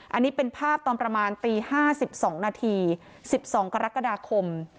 อันนี้เป็นภาพตอนประมาณตีห้าสิบสองนาทีสิบสองกรกฎาคม